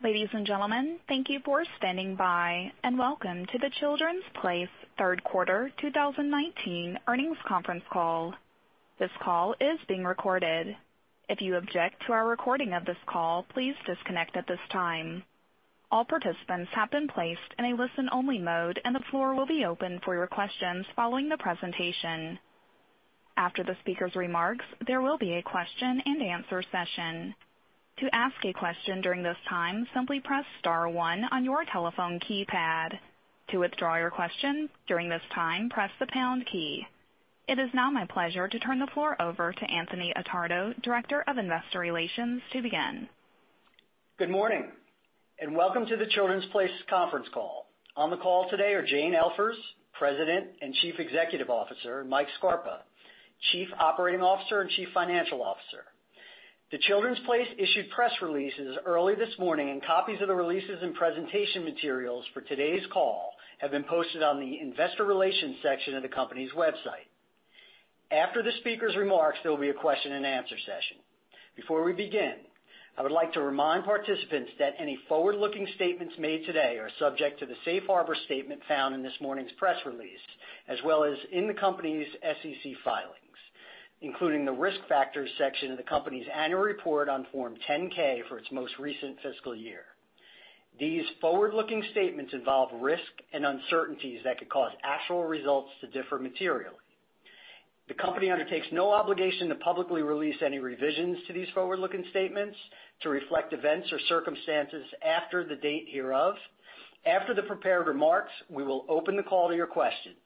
Ladies and gentlemen, thank you for standing by, and welcome to The Children's Place third quarter 2019 earnings conference call. This call is being recorded. If you object to our recording of this call, please disconnect at this time. All participants have been placed in a listen-only mode, and the floor will be open for your questions following the presentation. After the speaker's remarks, there will be a question and answer session. To ask a question during this time, simply press star one on your telephone keypad. To withdraw your question during this time, press the pound key. It is now my pleasure to turn the floor over to Anthony Attardo, Director of Investor Relations, to begin. Good morning, welcome to The Children's Place conference call. On the call today are Jane Elfers, President and Chief Executive Officer, and Mike Scarpa, Chief Operating Officer and Chief Financial Officer. The Children's Place issued press releases early this morning, and copies of the releases and presentation materials for today's call have been posted on the investor relations section of the company's website. After the speaker's remarks, there will be a question and answer session. Before we begin, I would like to remind participants that any forward-looking statements made today are subject to the safe harbor statement found in this morning's press release, as well as in the company's SEC filings, including the Risk Factors section of the company's annual report on Form 10-K for its most recent fiscal year. These forward-looking statements involve risks and uncertainties that could cause actual results to differ materially. The company undertakes no obligation to publicly release any revisions to these forward-looking statements to reflect events or circumstances after the date hereof. After the prepared remarks, we will open the call to your questions.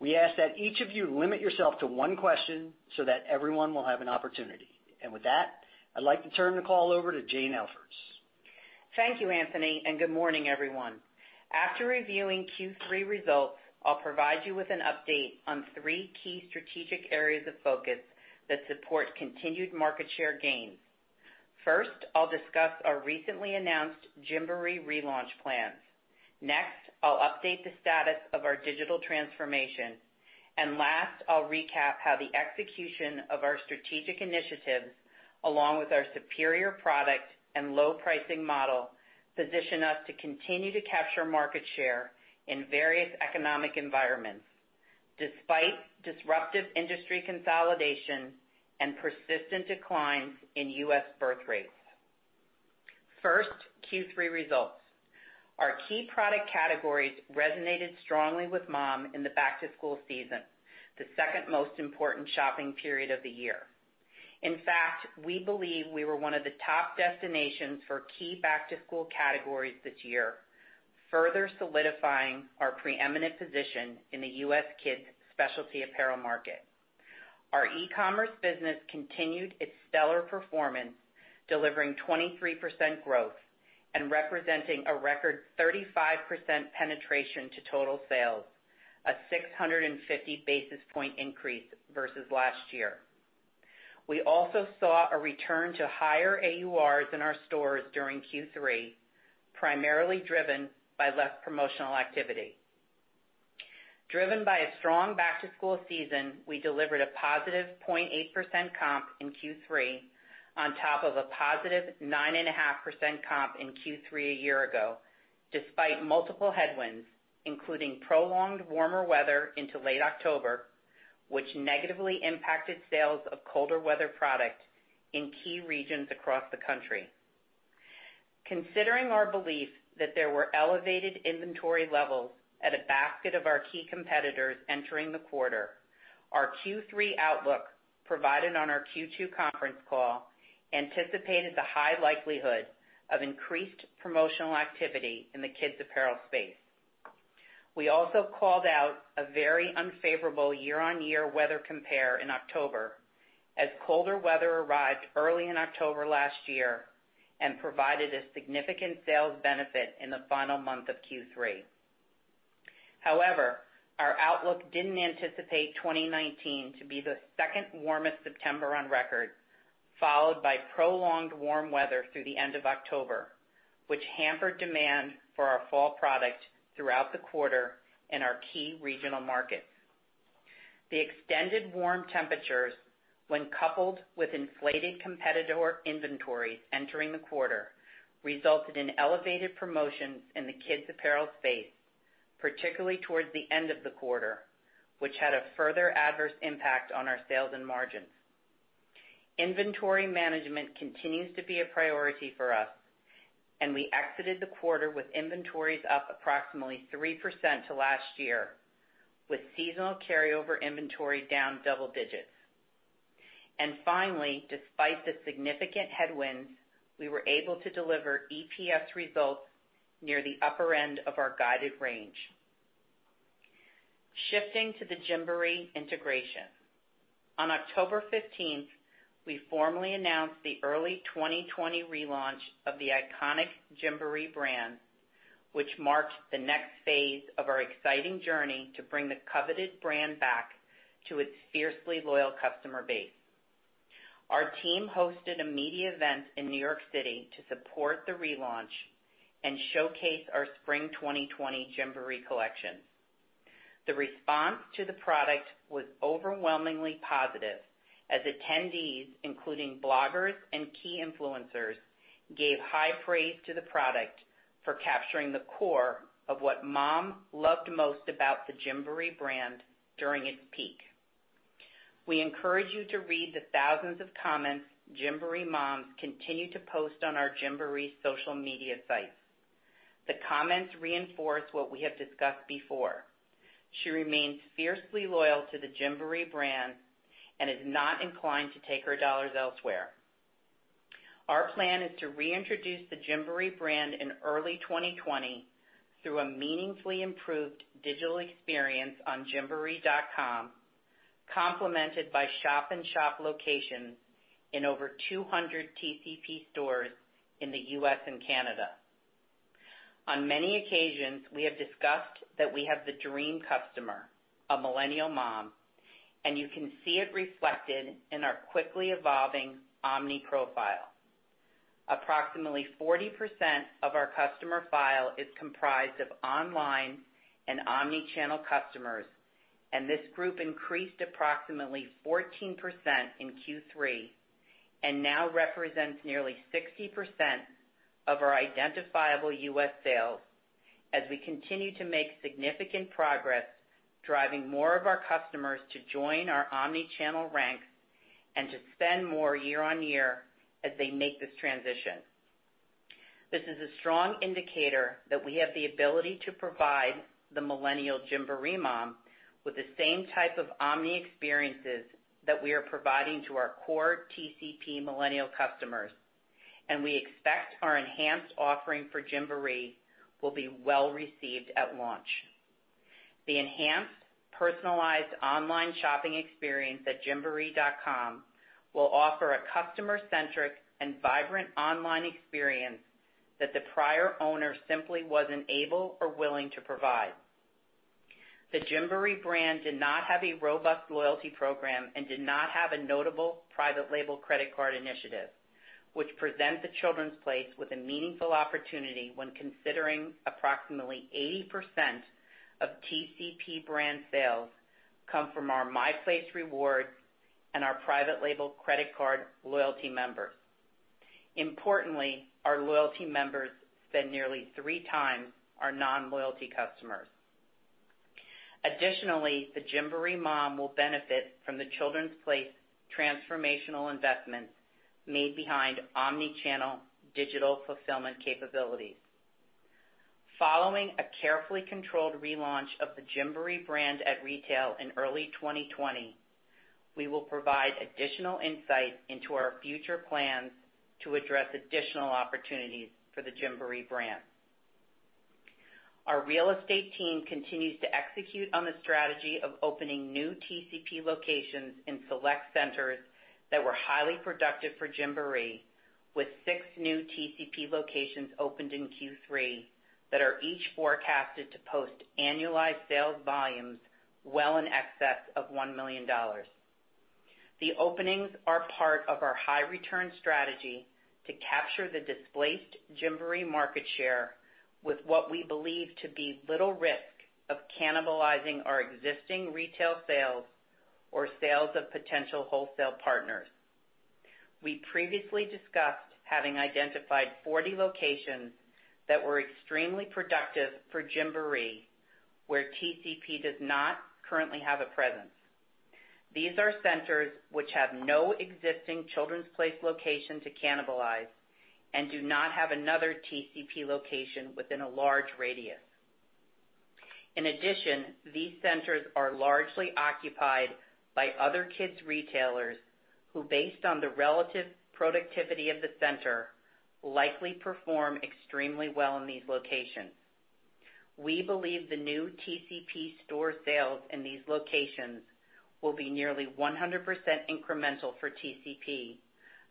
We ask that each of you limit yourself to one question so that everyone will have an opportunity. With that, I'd like to turn the call over to Jane Elfers. Thank you, Anthony, and good morning, everyone. After reviewing Q3 results, I'll provide you with an update on three key strategic areas of focus that support continued market share gains. First, I'll discuss our recently announced Gymboree relaunch plans. Next, I'll update the status of our digital transformation. Last, I'll recap how the execution of our strategic initiatives, along with our superior product and low pricing model, position us to continue to capture market share in various economic environments, despite disruptive industry consolidation and persistent declines in U.S. birthrates. First, Q3 results. Our key product categories resonated strongly with mom in the back to school season, the second most important shopping period of the year. In fact, we believe we were one of the top destinations for key back-to-school categories this year, further solidifying our preeminent position in the U.S. kids' specialty apparel market. Our e-commerce business continued its stellar performance, delivering 23% growth and representing a record 35% penetration to total sales, a 650 basis point increase versus last year. We also saw a return to higher AURs in our stores during Q3, primarily driven by less promotional activity. Driven by a strong back-to-school season, we delivered a positive 0.8% comp in Q3 on top of a positive 9.5% comp in Q3 a year ago, despite multiple headwinds, including prolonged warmer weather into late October, which negatively impacted sales of colder weather product in key regions across the country. Considering our belief that there were elevated inventory levels at a basket of our key competitors entering the quarter, our Q3 outlook provided on our Q2 conference call anticipated the high likelihood of increased promotional activity in the kids apparel space. We also called out a very unfavorable year-on-year weather compare in October as colder weather arrived early in October last year and provided a significant sales benefit in the final month of Q3. However, our outlook didn't anticipate 2019 to be the second warmest September on record, followed by prolonged warm weather through the end of October, which hampered demand for our fall product throughout the quarter in our key regional markets. The extended warm temperatures, when coupled with inflated competitor inventory entering the quarter, resulted in elevated promotions in the kids apparel space, particularly towards the end of the quarter, which had a further adverse impact on our sales and margins. Inventory management continues to be a priority for us, and we exited the quarter with inventories up approximately 3% to last year, with seasonal carryover inventory down double digits. Finally, despite the significant headwinds, we were able to deliver EPS results near the upper end of our guided range. Shifting to the Gymboree integration. On October 15th, we formally announced the early 2020 relaunch of the iconic Gymboree brand, which marked the next phase of our exciting journey to bring the coveted brand back to its fiercely loyal customer base. Our team hosted a media event in New York City to support the relaunch and showcase our spring 2020 Gymboree collection. The response to the product was overwhelmingly positive as attendees, including bloggers and key influencers, gave high praise to the product for capturing the core of what mom loved most about the Gymboree brand during its peak. We encourage you to read the thousands of comments Gymboree moms continue to post on our Gymboree social media sites. The comments reinforce what we have discussed before. She remains fiercely loyal to the Gymboree brand and is not inclined to take her dollars elsewhere. Our plan is to reintroduce the Gymboree brand in early 2020 through a meaningfully improved digital experience on gymboree.com, complemented by shop-in-shop locations in over 200 TCP stores in the U.S. and Canada. On many occasions, we have discussed that we have the dream customer, a millennial mom, and you can see it reflected in our quickly evolving omni profile. Approximately 40% of our customer file is comprised of online and omni-channel customers, and this group increased approximately 14% in Q3 and now represents nearly 60% of our identifiable U.S. sales as we continue to make significant progress, driving more of our customers to join our omni-channel ranks and to spend more year-on-year as they make this transition. This is a strong indicator that we have the ability to provide the millennial Gymboree mom with the same type of omni experiences that we are providing to our core TCP millennial customers, and we expect our enhanced offering for Gymboree will be well-received at launch. The enhanced, personalized online shopping experience at gymboree.com will offer a customer-centric and vibrant online experience that the prior owner simply wasn't able or willing to provide. The Gymboree brand did not have a robust loyalty program and did not have a notable private label credit card initiative, which present The Children’s Place with a meaningful opportunity when considering approximately 80% of TCP brand sales come from our My Place Rewards and our private label credit card loyalty members. Importantly, our loyalty members spend nearly three times our non-loyalty customers. Additionally, the Gymboree mom will benefit from The Children's Place transformational investments made behind omni-channel digital fulfillment capabilities. Following a carefully controlled relaunch of the Gymboree brand at retail in early 2020, we will provide additional insight into our future plans to address additional opportunities for the Gymboree brand. Our real estate team continues to execute on the strategy of opening new TCP locations in select centers that were highly productive for Gymboree, with six new TCP locations opened in Q3 that are each forecasted to post annualized sales volumes well in excess of $1 million. The openings are part of our high return strategy to capture the displaced Gymboree market share with what we believe to be little risk of cannibalizing our existing retail sales or sales of potential wholesale partners. We previously discussed having identified 40 locations that were extremely productive for Gymboree, where TCP does not currently have a presence. These are centers which have no existing The Children's Place location to cannibalize and do not have another TCP location within a large radius. In addition, these centers are largely occupied by other kids' retailers who, based on the relative productivity of the center, likely perform extremely well in these locations. We believe the new TCP store sales in these locations will be nearly 100% incremental for TCP,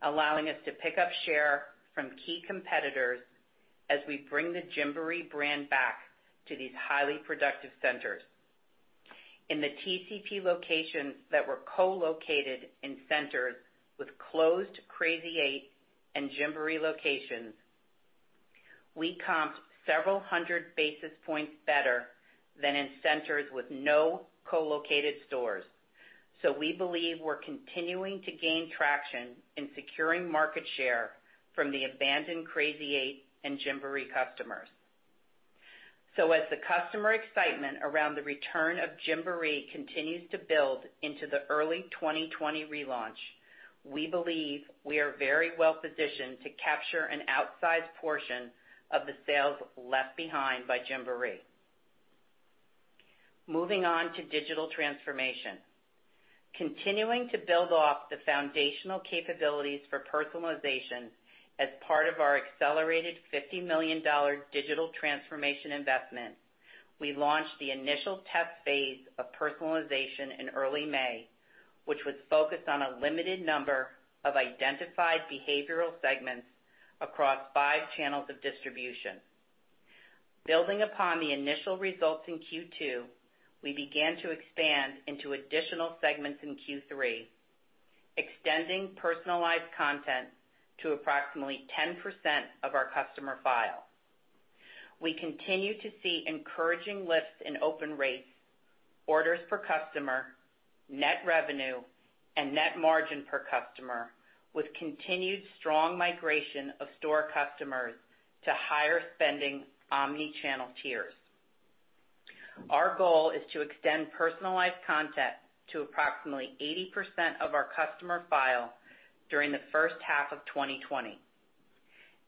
allowing us to pick up share from key competitors as we bring the Gymboree brand back to these highly productive centers. In the TCP locations that were co-located in centers with closed Crazy 8 and Gymboree locations, we comped several hundred basis points better than in centers with no co-located stores. We believe we're continuing to gain traction in securing market share from the abandoned Crazy 8 and Gymboree customers. As the customer excitement around the return of Gymboree continues to build into the early 2020 relaunch, we believe we are very well-positioned to capture an outsized portion of the sales left behind by Gymboree. Moving on to digital transformation. Continuing to build off the foundational capabilities for personalization as part of our accelerated $50 million digital transformation investment, we launched the initial test phase of personalization in early May, which was focused on a limited number of identified behavioral segments across five channels of distribution. Building upon the initial results in Q2, we began to expand into additional segments in Q3, extending personalized content to approximately 10% of our customer file. We continue to see encouraging lifts in open rates, orders per customer, net revenue, and net margin per customer, with continued strong migration of store customers to higher spending omni-channel tiers. Our goal is to extend personalized content to approximately 80% of our customer file during the first half of 2020.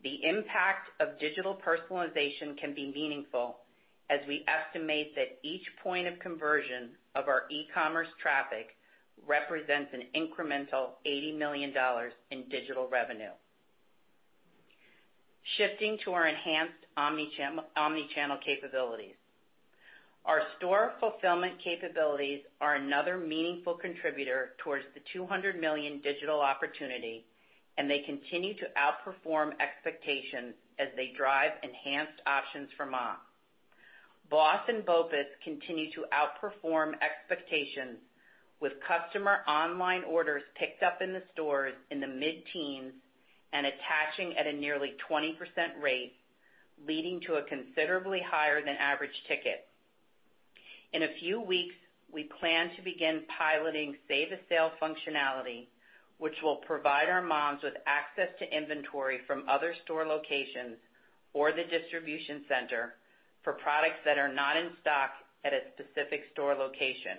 The impact of digital personalization can be meaningful, as we estimate that each point of conversion of our e-commerce traffic represents an incremental $80 million in digital revenue. Shifting to our enhanced omni-channel capabilities. Our store fulfillment capabilities are another meaningful contributor towards the $200 million digital opportunity, and they continue to outperform expectations as they drive enhanced options for moms. BOSS and BOPUS continue to outperform expectations with customer online orders picked up in the stores in the mid-teens and attaching at a nearly 20% rate, leading to a considerably higher than average ticket. In a few weeks, we plan to begin piloting save-a-sale functionality, which will provide our moms with access to inventory from other store locations or the distribution center for products that are not in stock at a specific store location.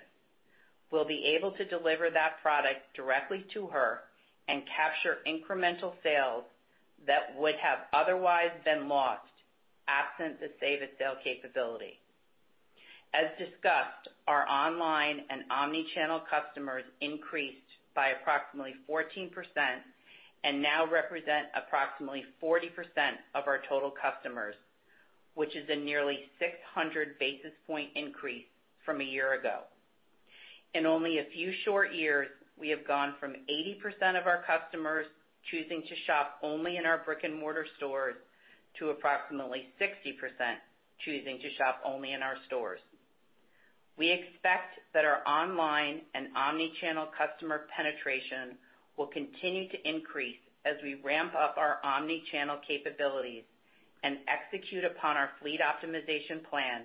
We'll be able to deliver that product directly to her and capture incremental sales that would have otherwise been lost absent the save-a-sale capability. As discussed, our online and omni-channel customers increased by approximately 14% and now represent approximately 40% of our total customers, which is a nearly 600 basis point increase from a year ago. In only a few short years, we have gone from 80% of our customers choosing to shop only in our brick and mortar stores to approximately 60% choosing to shop only in our stores. We expect that our online and omni-channel customer penetration will continue to increase as we ramp up our omni-channel capabilities and execute upon our fleet optimization plan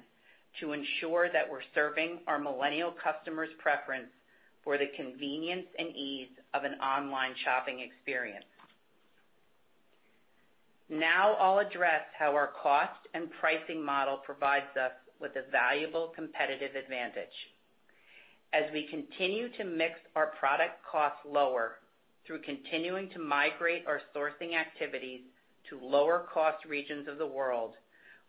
to ensure that we're serving our millennial customers' preference for the convenience and ease of an online shopping experience. Now I'll address how our cost and pricing model provides us with a valuable competitive advantage. As we continue to mix our product cost lower through continuing to migrate our sourcing activities to lower cost regions of the world,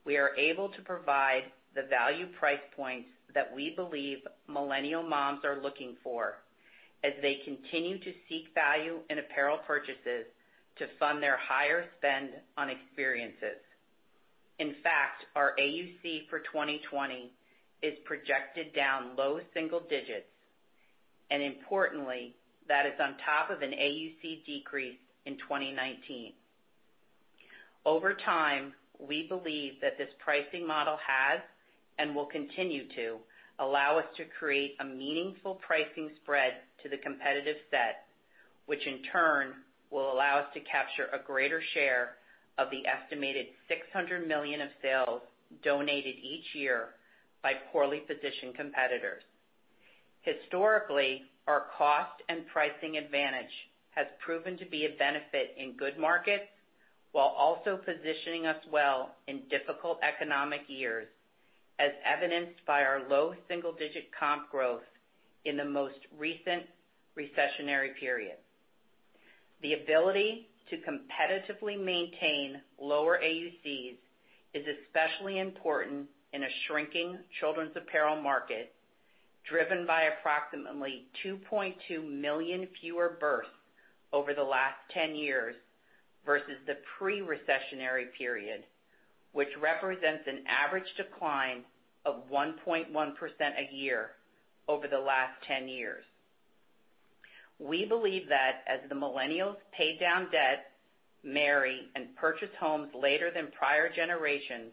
we are able to provide the value price points that we believe millennial moms are looking for as they continue to seek value in apparel purchases to fund their higher spend on experiences. In fact, our AUC for 2020 is projected down low single digits, and importantly, that is on top of an AUC decrease in 2019. Over time, we believe that this pricing model has, and will continue to, allow us to create a meaningful pricing spread to the competitive set, which in turn will allow us to capture a greater share of the estimated $600 million of sales donated each year by poorly positioned competitors. Historically, our cost and pricing advantage has proven to be a benefit in good markets while also positioning us well in difficult economic years, as evidenced by our low single-digit comp growth in the most recent recessionary period. The ability to competitively maintain lower AUCs is especially important in a shrinking children's apparel market, driven by approximately 2.2 million fewer births over the last 10 years versus the pre-recessionary period, which represents an average decline of 1.1% a year over the last 10 years. We believe that as the millennials pay down debt, marry, and purchase homes later than prior generations,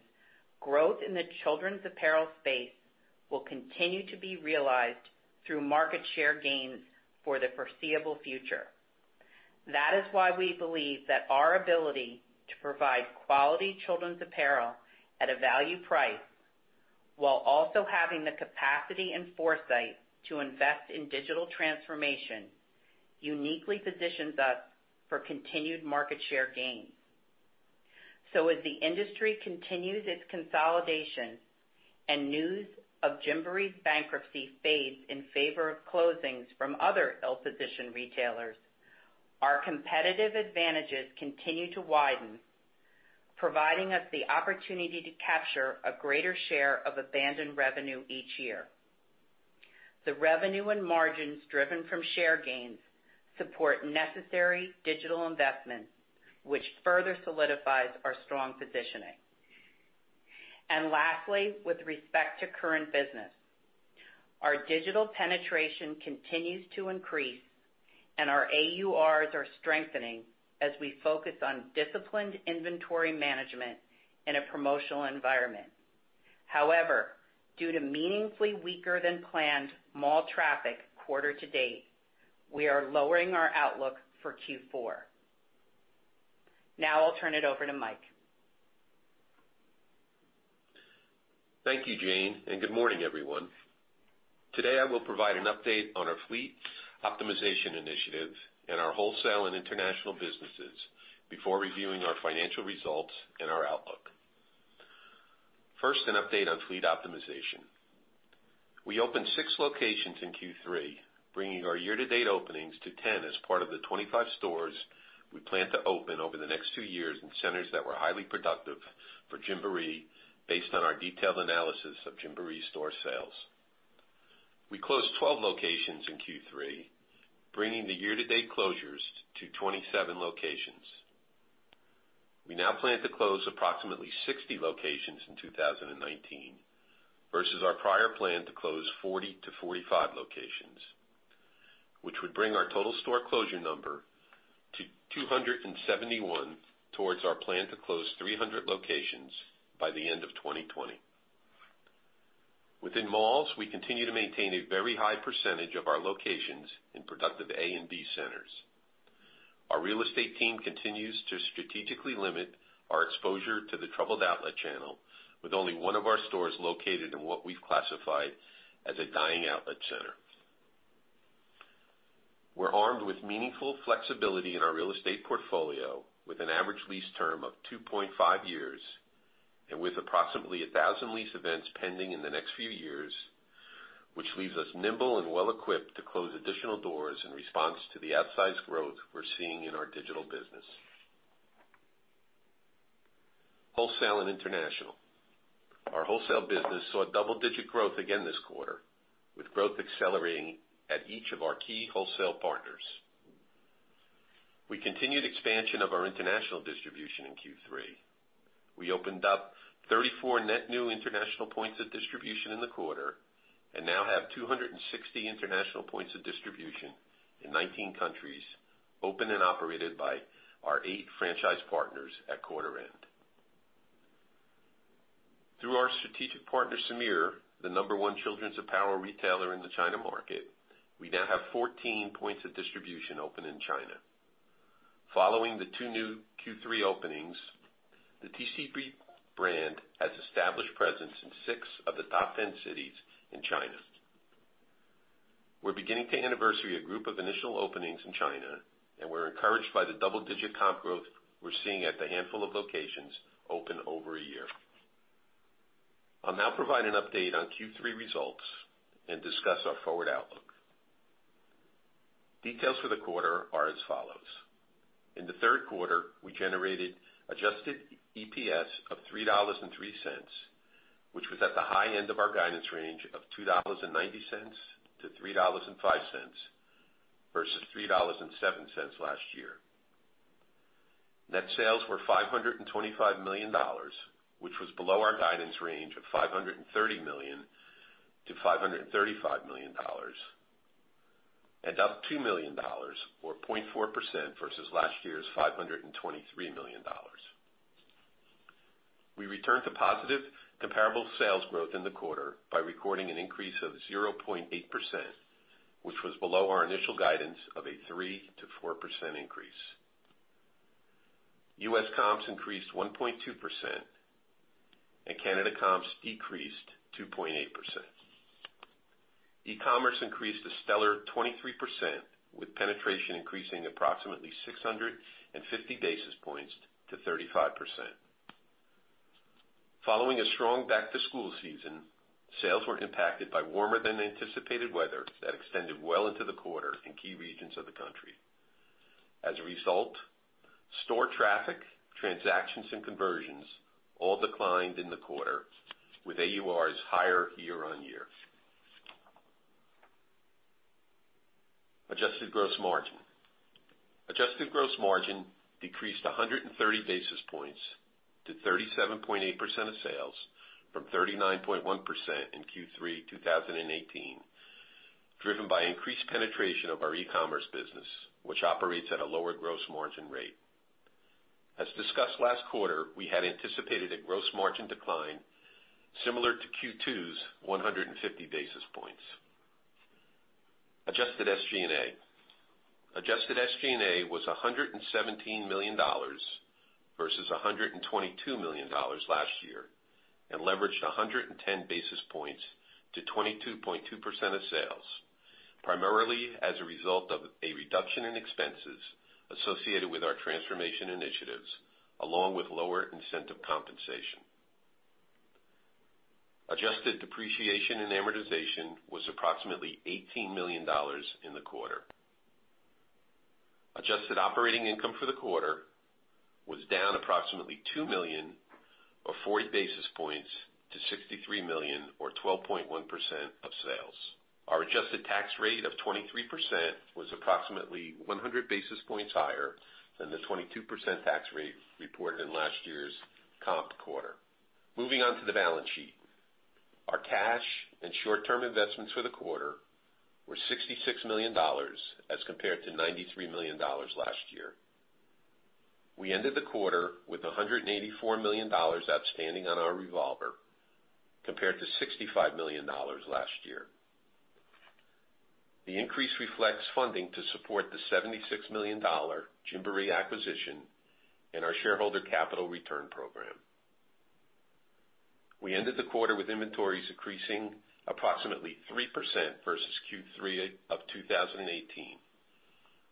growth in the children's apparel space will continue to be realized through market share gains for the foreseeable future. That is why we believe that our ability to provide quality children's apparel at a value price, while also having the capacity and foresight to invest in digital transformation, uniquely positions us for continued market share gains. As the industry continues its consolidation and news of Gymboree's bankruptcy fades in favor of closings from other ill-positioned retailers, our competitive advantages continue to widen, providing us the opportunity to capture a greater share of abandoned revenue each year. The revenue and margins driven from share gains support necessary digital investments, which further solidifies our strong positioning. Lastly, with respect to current business, our digital penetration continues to increase, and our AURs are strengthening as we focus on disciplined inventory management in a promotional environment. However, due to meaningfully weaker than planned mall traffic quarter to date, we are lowering our outlook for Q4. I'll turn it over to Mike. Thank you, Jane, and good morning, everyone. Today, I will provide an update on our fleet optimization initiative and our wholesale and international businesses before reviewing our financial results and our outlook. First, an update on fleet optimization. We opened six locations in Q3, bringing our year-to-date openings to 10 as part of the 25 stores we plan to open over the next two years in centers that were highly productive for Gymboree based on our detailed analysis of Gymboree store sales. We closed 12 locations in Q3, bringing the year-to-date closures to 27 locations. We now plan to close approximately 60 locations in 2019 versus our prior plan to close 40-45 locations, which would bring our total store closure number to 271 towards our plan to close 300 locations by the end of 2020. Within malls, we continue to maintain a very high percentage of our locations in productive A and B centers. Our real estate team continues to strategically limit our exposure to the troubled outlet channel with only one of our stores located in what we've classified as a dying outlet center. We're armed with meaningful flexibility in our real estate portfolio with an average lease term of two and a half years and with approximately 1,000 lease events pending in the next few years, which leaves us nimble and well equipped to close additional doors in response to the outsized growth we're seeing in our digital business. Wholesale and international. Our wholesale business saw double-digit growth again this quarter, with growth accelerating at each of our key wholesale partners. We continued expansion of our international distribution in Q3. We opened up 34 net new international points of distribution in the quarter and now have 260 international points of distribution in 19 countries, opened and operated by our eight franchise partners at quarter end. Through our strategic partner, Semir, the number one children's apparel retailer in the China market, we now have 14 points of distribution open in China. Following the two new Q3 openings, the TCP brand has established presence in six of the top 10 cities in China. We're beginning to anniversary a group of initial openings in China, and we're encouraged by the double-digit comp growth we're seeing at the handful of locations open over a year. I'll now provide an update on Q3 results and discuss our forward outlook. Details for the quarter are as follows. In the third quarter, we generated adjusted EPS of $3.03, which was at the high end of our guidance range of $2.90-$3.05 versus $3.07 last year. Net sales were $525 million, which was below our guidance range of $530 million-$535 million and up $2 million or 0.4% versus last year's $523 million. We returned to positive comparable sales growth in the quarter by recording an increase of 0.8%, which was below our initial guidance of a 3%-4% increase. U.S. comps increased 1.2% and Canada comps decreased 2.8%. E-commerce increased a stellar 23%, with penetration increasing approximately 650 basis points to 35%. Following a strong back-to-school season, sales were impacted by warmer than anticipated weather that extended well into the quarter in key regions of the country. As a result, store traffic, transactions, and conversions all declined in the quarter with AURs higher year-on-year. Adjusted gross margin decreased 130 basis points to 37.8% of sales from 39.1% in Q3 2018, driven by increased penetration of our e-commerce business, which operates at a lower gross margin rate. As discussed last quarter, we had anticipated a gross margin decline similar to Q2's 150 basis points. Adjusted SG&A was $117 million versus $122 million last year and leveraged 110 basis points to 22.2% of sales, primarily as a result of a reduction in expenses associated with our transformation initiatives, along with lower incentive compensation. Adjusted depreciation and amortization was approximately $18 million in the quarter. Adjusted operating income for the quarter was down approximately $2 million or 40 basis points to $63 million or 12.1% of sales. Our adjusted tax rate of 23% was approximately 100 basis points higher than the 22% tax rate reported in last year's comp quarter. Moving on to the balance sheet. Our cash and short-term investments for the quarter were $66 million as compared to $93 million last year. We ended the quarter with $184 million outstanding on our revolver, compared to $65 million last year. The increase reflects funding to support the $76 million Gymboree acquisition and our shareholder capital return program. We ended the quarter with inventories increasing approximately 3% versus Q3 of 2018.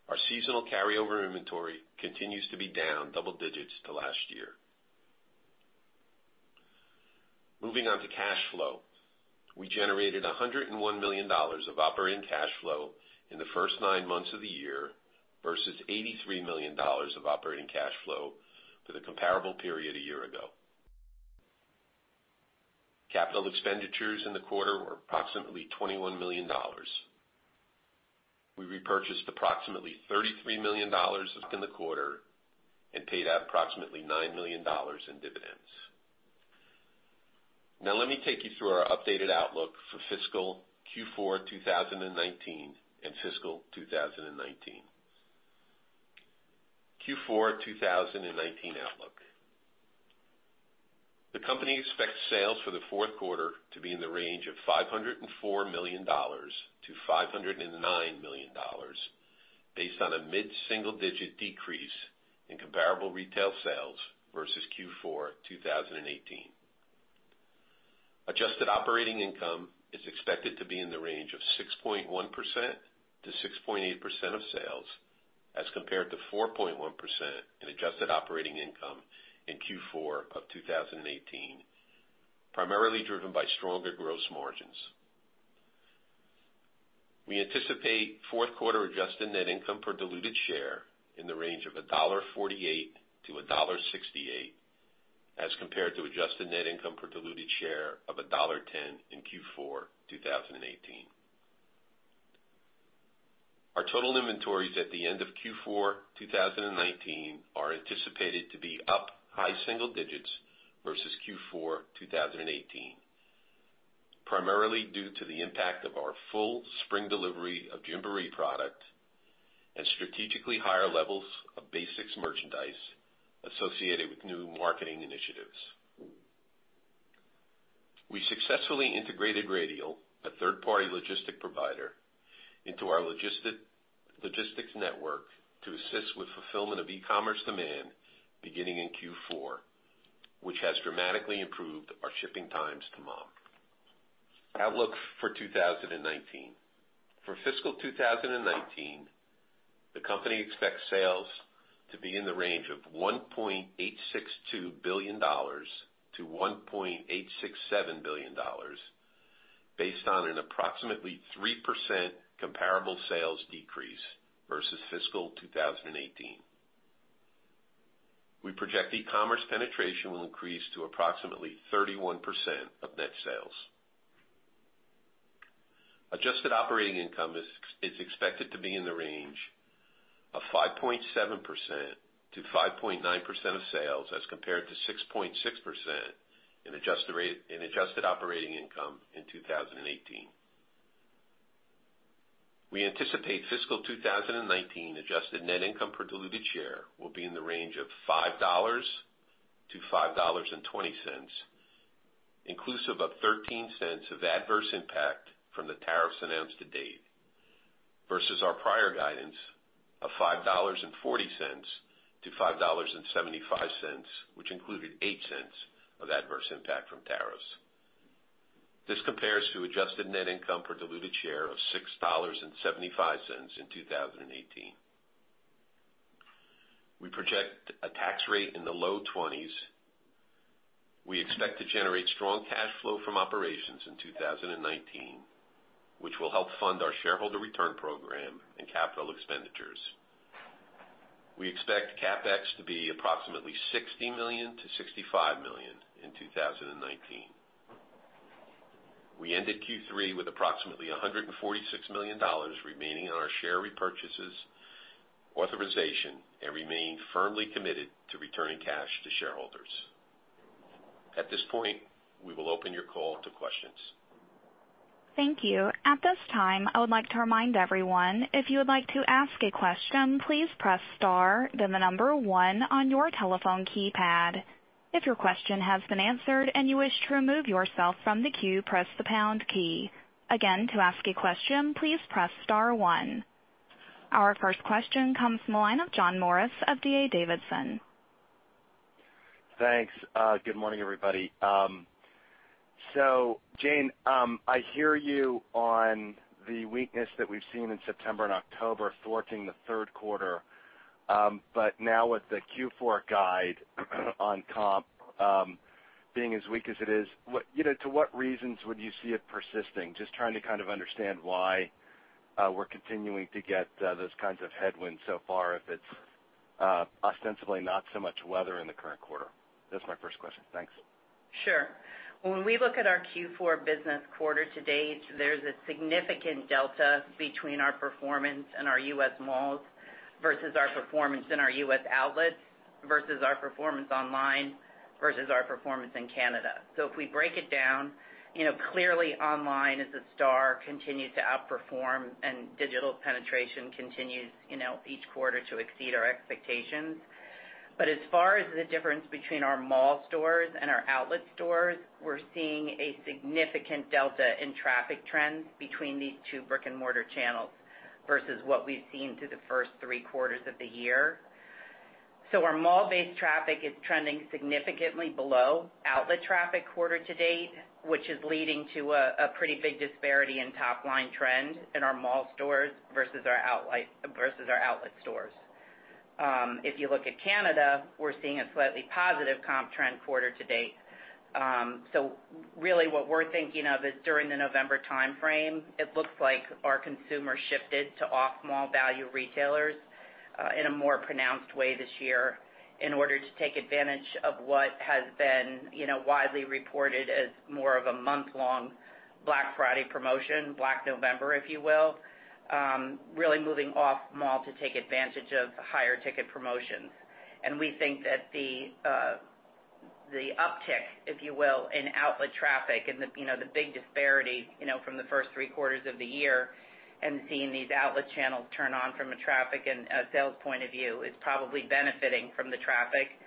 Our seasonal carryover inventory continues to be down double digits to last year. Moving on to cash flow. We generated $101 million of operating cash flow in the first nine months of the year versus $83 million of operating cash flow for the comparable period a year ago. Capital expenditures in the quarter were approximately $21 million. We repurchased approximately $33 million in the quarter and paid out approximately $9 million in dividends. Let me take you through our updated outlook for fiscal Q4 2019 and fiscal 2019. Q4 2019 outlook. The company expects sales for the fourth quarter to be in the range of $504 million-$509 million, based on a mid-single-digit decrease in comparable retail sales versus Q4 2018. Adjusted operating income is expected to be in the range of 6.1%-6.8% of sales as compared to 4.1% in adjusted operating income in Q4 2018, primarily driven by stronger gross margins. We anticipate fourth quarter adjusted net income per diluted share in the range of $1.48-$1.68 as compared to adjusted net income per diluted share of $1.10 in Q4 2018. Our total inventories at the end of Q4 2019 are anticipated to be up high single digits versus Q4 2018, primarily due to the impact of our full spring delivery of Gymboree product and strategically higher levels of basics merchandise associated with new marketing initiatives. We successfully integrated Radial, a third-party logistics provider, into our logistics network to assist with fulfillment of e-commerce demand beginning in Q4, which has dramatically improved our shipping times to mom. Outlook for 2019. For fiscal 2019, the company expects sales to be in the range of $1.862 billion-$1.867 billion, based on an approximately 3% comparable sales decrease versus fiscal 2018. We project e-commerce penetration will increase to approximately 31% of net sales. Adjusted operating income is expected to be in the range of 5.7%-5.9% of sales as compared to 6.6% in adjusted operating income in 2018. We anticipate fiscal 2019 adjusted net income per diluted share will be in the range of $5-$5.20, inclusive of $0.13 of adverse impact from the tariffs announced to date, versus our prior guidance of $5.40-$5.75, which included $0.08 of adverse impact from tariffs. This compares to adjusted net income per diluted share of $6.75 in 2018. We project a tax rate in the low twenties. We expect to generate strong cash flow from operations in 2019, which will help fund our shareholder return program and capital expenditures. We expect CapEx to be approximately $60 million-$65 million in 2019. We ended Q3 with approximately $146 million remaining on our share repurchases authorization and remain firmly committed to returning cash to shareholders. At this point, we will open your call to questions. Thank you. At this time, I would like to remind everyone, if you would like to ask a question, please press star then the number one on your telephone keypad. If your question has been answered and you wish to remove yourself from the queue, press the pound key. Again, to ask a question, please press star one. Our first question comes from the line of John Morris of D.A. Davidson. Thanks. Good morning, everybody. Jane, I hear you on the weakness that we've seen in September and October thwarting the third quarter. Now with the Q4 guide on comp being as weak as it is, to what reasons would you see it persisting? Just trying to kind of understand why we're continuing to get those kinds of headwinds so far, if it's ostensibly not so much weather in the current quarter. That's my first question. Thanks. Sure. When we look at our Q4 business quarter to date, there's a significant delta between our performance in our U.S. malls versus our performance in our U.S. outlets versus our performance online, versus our performance in Canada. If we break it down, clearly online is a star, continues to outperform, and digital penetration continues each quarter to exceed our expectations. As far as the difference between our mall stores and our outlet stores, we're seeing a significant delta in traffic trends between these two brick-and-mortar channels versus what we've seen through the first three quarters of the year. Our mall-based traffic is trending significantly below outlet traffic quarter to date, which is leading to a pretty big disparity in top-line trend in our mall stores versus our outlet stores. If you look at Canada, we're seeing a slightly positive comp trend quarter to date. Really what we're thinking of is during the November timeframe, it looks like our consumer shifted to off-mall value retailers in a more pronounced way this year in order to take advantage of what has been widely reported as more of a month-long Black Friday promotion, Black November, if you will. Really moving off-mall to take advantage of higher ticket promotions. We think that the uptick, if you will, in outlet traffic and the big disparity from the first three quarters of the year, and seeing these outlet channels turn on from a traffic and a sales point of view is probably benefiting from the traffic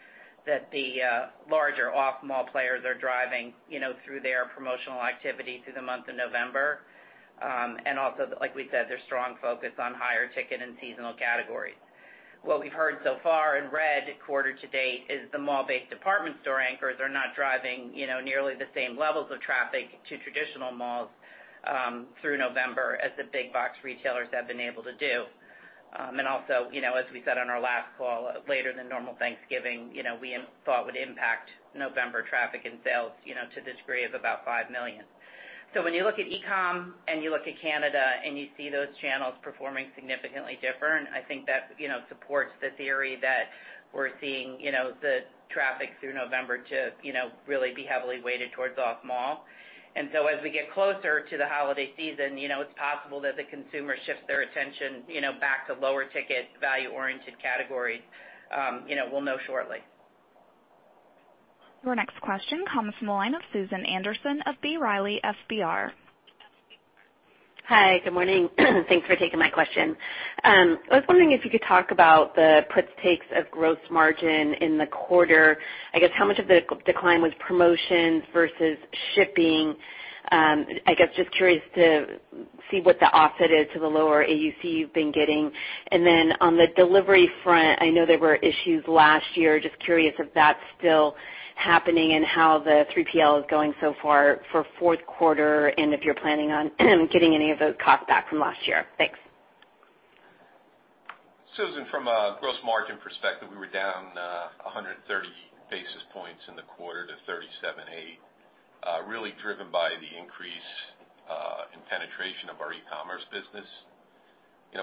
that the larger off-mall players are driving through their promotional activity through the month of November. Also, like we said, their strong focus on higher ticket and seasonal categories. What we've heard so far in red quarter to date is the mall-based department store anchors are not driving nearly the same levels of traffic to traditional malls through November as the big box retailers have been able to do. Also, as we said on our last call, a later than normal Thanksgiving, we thought would impact November traffic and sales, to the degree of about $5 million. When you look at e-com and you look at Canada and you see those channels performing significantly different, I think that supports the theory that we're seeing the traffic through November to really be heavily weighted towards off-mall. As we get closer to the Holiday Season, it's possible that the consumer shifts their attention back to lower ticket, value-oriented categories. We'll know shortly. Your next question comes from the line of Susan Anderson of B. Riley FBR. Hi. Good morning. Thanks for taking my question. I was wondering if you could talk about the puts, takes of gross margin in the quarter. I guess how much of the decline was promotions versus shipping? I guess just curious to see what the offset is to the lower AUC you've been getting. On the delivery front, I know there were issues last year. Just curious if that's still happening and how the 3PL is going so far for fourth quarter, and if you're planning on getting any of those costs back from last year. Thanks. Susan, from a gross margin perspective, we were down 130 basis points in the quarter to 37.8%, really driven by the increase in penetration of our e-commerce business.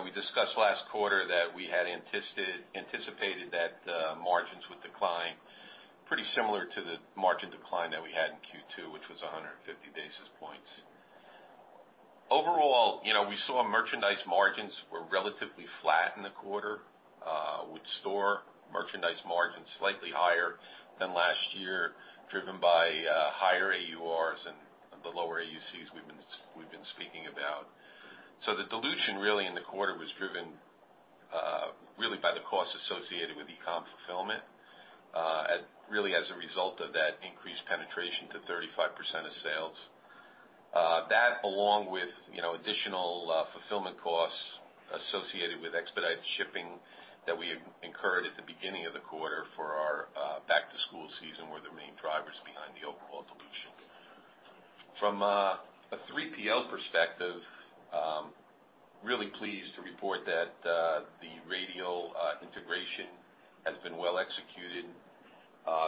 We discussed last quarter that we had anticipated that the margins would decline pretty similar to the margin decline that we had in Q2, which was 150 basis points. Overall, we saw merchandise margins were relatively flat in the quarter, with store merchandise margins slightly higher than last year, driven by higher AURs and the lower AUCs we've been speaking about. The dilution really in the quarter was driven really by the costs associated with e-com fulfillment, really as a result of that increased penetration to 35% of sales. That along with additional fulfillment costs associated with expedited shipping that we incurred at the beginning of the quarter for our back-to-school season were the main drivers behind the overall dilution. From a 3PL perspective, really pleased to report that the Radial integration has been well executed.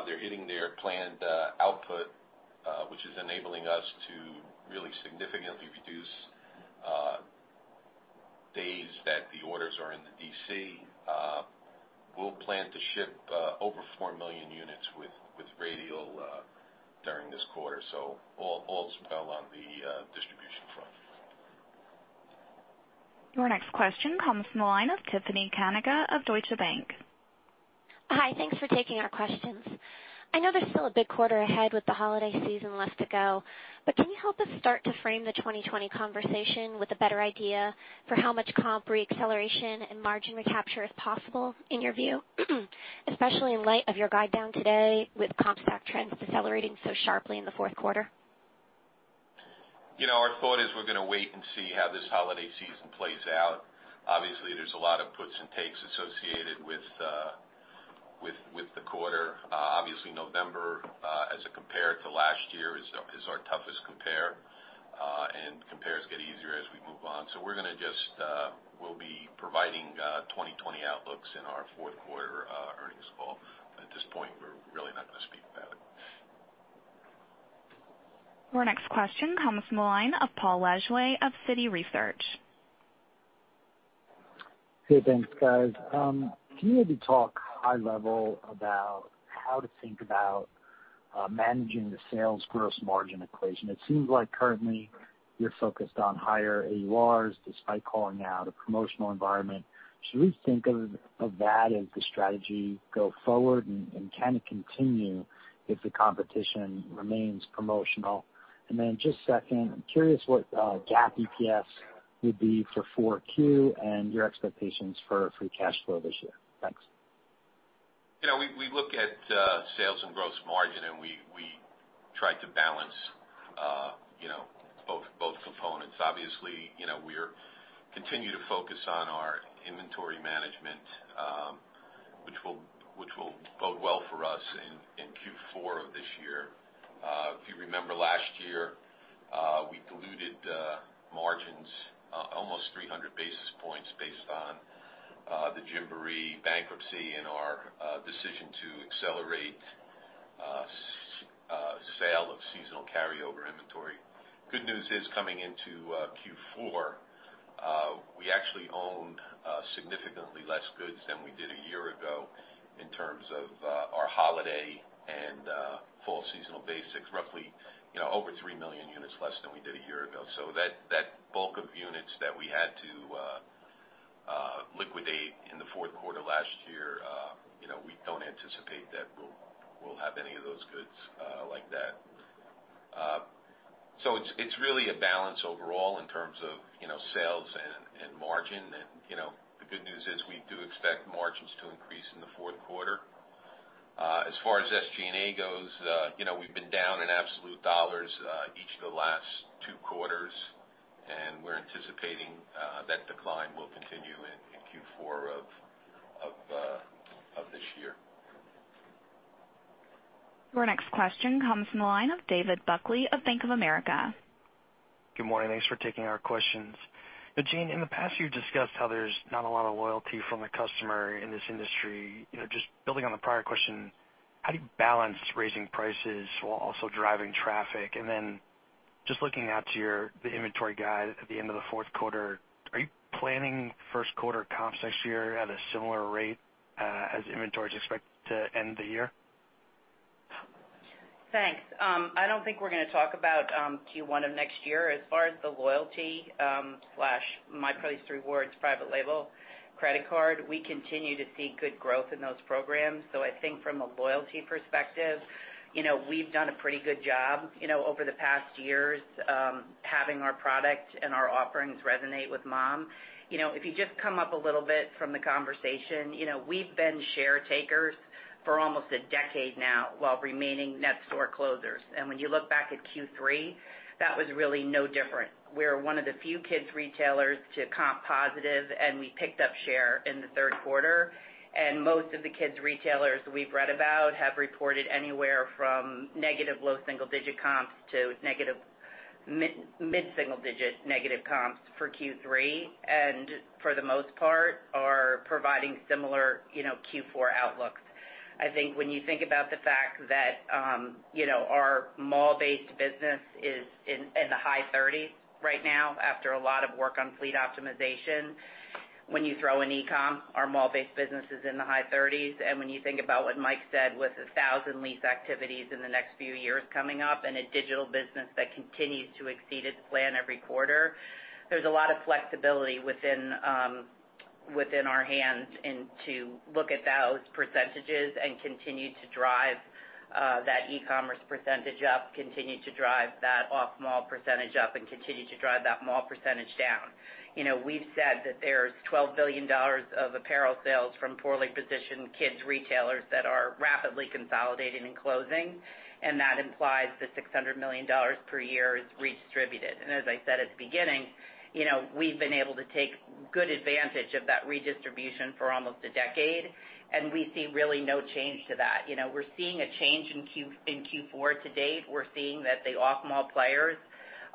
They're hitting their planned output, which is enabling us to really significantly reduce days that the orders are in the DC. We'll plan to ship over four million units with Radial during this quarter. All's well on the distribution front. Your next question comes from the line of Tiffany Kanaga of Deutsche Bank. Hi. Thanks for taking our questions. I know there's still a big quarter ahead with the holiday season left to go, but can you help us start to frame the 2020 conversation with a better idea for how much comp re-acceleration and margin recapture is possible in your view? Especially in light of your guide down today with comp stack trends decelerating so sharply in the fourth quarter. Our thought is we're going to wait and see how this holiday season plays out. Obviously, there's a lot of puts and takes associated with the quarter. Obviously November, as a compare to last year, is our toughest compare, and compares get easier as we move on. We'll be providing 2020 outlooks in our fourth quarter earnings call. At this point, we're really not going to speak to that. Our next question comes from the line of Paul Lejuez of Citi Research. Hey, thanks, guys. Can you maybe talk high level about how to think about managing the sales gross margin equation? It seems like currently you're focused on higher AURs despite calling out a promotional environment. Should we think of that as the strategy go forward, and can it continue if the competition remains promotional? Just second, I'm curious what GAAP EPS would be for 4Q and your expectations for free cash flow this year. Thanks. We look at sales and gross margin, we try to balance both components. Obviously, we continue to focus on our inventory management, which will bode well for us in Q4 of this year. If you remember last year, we diluted margins almost 300 basis points based on the Gymboree bankruptcy and our decision to accelerate sale of seasonal carryover inventory. Good news is, coming into Q4, we actually owned significantly less goods than we did a year ago in terms of our holiday and fall seasonal basics, roughly over 3 million units less than we did a year ago. That bulk of units that we had to liquidate in the fourth quarter last year, we don't anticipate that we'll have any of those goods like that. It's really a balance overall in terms of sales and margin. The good news is we do expect margins to increase in the fourth quarter. As far as SG&A goes, we've been down in absolute dollars each of the last two quarters. We're anticipating that decline will continue in Q4 of this year. Our next question comes from the line of David Buckley of Bank of America. Good morning. Thanks for taking our questions. Jane, in the past, you've discussed how there's not a lot of loyalty from the customer in this industry. Just building on the prior question, how do you balance raising prices while also driving traffic? Just looking out to the inventory guide at the end of the fourth quarter, are you planning first quarter comps next year at a similar rate, as inventory is expected to end the year? Thanks. I don't think we're gonna talk about Q1 of next year. As far as the loyalty/My Place Rewards private label credit card, we continue to see good growth in those programs. I think from a loyalty perspective, we've done a pretty good job over the past years, having our product and our offerings resonate with mom. If you just come up a little bit from the conversation, we've been share takers for almost a decade now while remaining net store closers. When you look back at Q3, that was really no different. We're one of the few kids retailers to comp positive, and we picked up share in the third quarter. Most of the kids retailers we've read about have reported anywhere from negative low single-digit comps to mid single digit negative comps for Q3, and for the most part, are providing similar Q4 outlooks. I think when you think about the fact that our mall-based business is in the high 30s right now, after a lot of work on fleet optimization. When you throw in e-com, our mall-based business is in the high 30s. When you think about what Mike said, with 1,000 lease activities in the next few years coming up and a digital business that continues to exceed its plan every quarter, there's a lot of flexibility within our hands to look at those percentages and continue to drive that e-commerce percentage up, continue to drive that off-mall percentage up, and continue to drive that mall percentage down. We've said that there's $12 billion of apparel sales from poorly positioned kids retailers that are rapidly consolidating and closing, and that implies that $600 million per year is redistributed. As I said at the beginning, we've been able to take good advantage of that redistribution for almost a decade, and we see really no change to that. We're seeing a change in Q4 to date. We're seeing that the off-mall players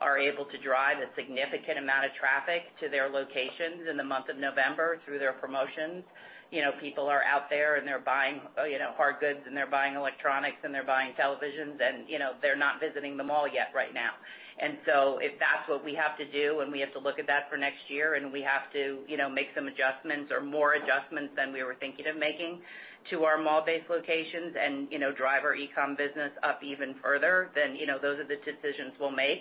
are able to drive a significant amount of traffic to their locations in the month of November through their promotions. People are out there and they're buying hard goods and they're buying electronics and they're buying televisions and they're not visiting the mall yet right now. If that's what we have to do, and we have to look at that for next year, and we have to make some adjustments or more adjustments than we were thinking of making to our mall-based locations and drive our e-com business up even further, then those are the decisions we'll make.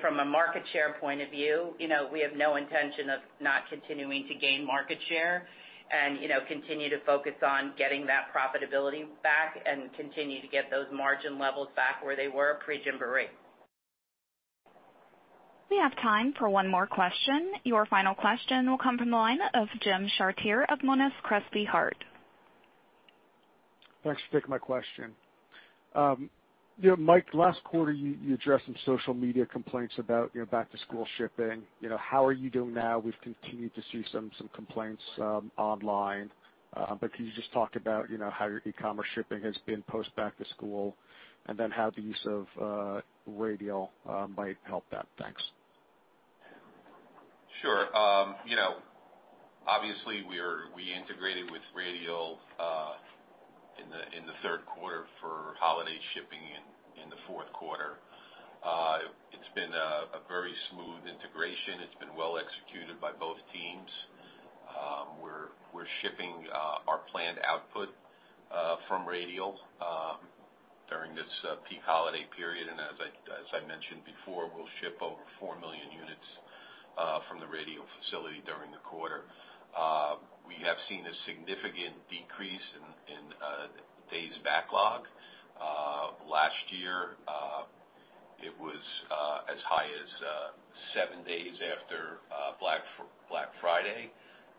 From a market share point of view, we have no intention of not continuing to gain market share and continue to focus on getting that profitability back and continue to get those margin levels back where they were pre-Gymboree. We have time for one more question. Your final question will come from the line of Jim Chartier of Monness, Crespi, Hardt. Thanks for taking my question. Mike, last quarter, you addressed some social media complaints about your back-to-school shipping. How are you doing now? We've continued to see some complaints online. Can you just talk about how your e-commerce shipping has been post back to school? How the use of Radial might help that? Thanks. Obviously, we integrated with Radial in the third quarter for holiday shipping in the fourth quarter. It's been a very smooth integration. It's been well executed by both teams. We're shipping our planned output from Radial during this peak holiday period. As I mentioned before, we'll ship over 4 million units from the Radial facility during the quarter. We have seen a significant decrease in days backlog. Last year, it was as high as seven days after Black Friday.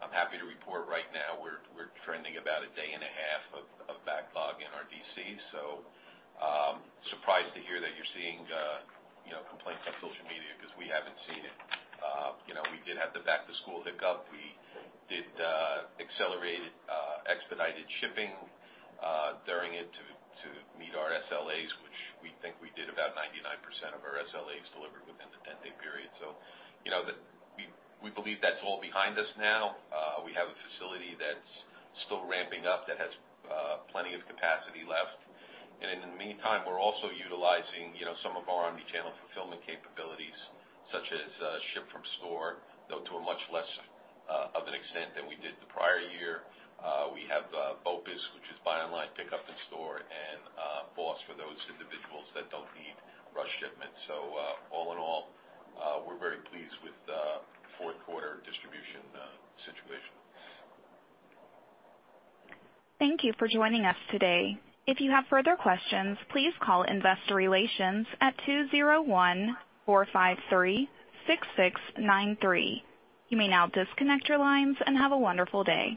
I'm happy to report right now we're trending about a day and a half of backlog in our DC. Surprised to hear that you're seeing complaints on social media because we haven't seen it. We did have the back-to-school hiccup. We did accelerated expedited shipping during it to meet our SLAs, which we think we did about 99% of our SLAs delivered within the 10-day period. We believe that's all behind us now. We have a facility that's still ramping up that has plenty of capacity left. In the meantime, we're also utilizing some of our omnichannel fulfillment capabilities, such as ship from store, though to a much less of an extent than we did the prior year. We have BOPUS, which is Buy Online, Pick Up in Store, and BOSS for those individuals that don't need rush shipments. All in all, we're very pleased with the fourth quarter distribution situation. Thank you for joining us today. If you have further questions, please call investor relations at 201-453-6693. You may now disconnect your lines and have a wonderful day.